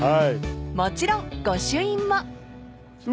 ［もちろん御朱印も］